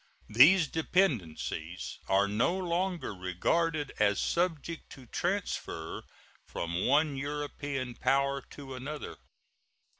These dependencies are no longer regarded as subject to transfer from one European power to another.